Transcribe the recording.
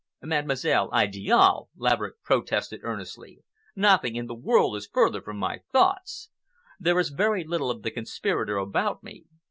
"Mademoiselle Idiale," Laverick protested earnestly, "nothing in the world is further from my thoughts. There is very little of the conspirator about me.